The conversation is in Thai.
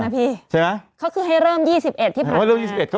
พี่ใช่ไหมเขาคือให้เริ่มยี่สิบเอ็ดที่ผ่านมาเริ่มยี่สิบเอ็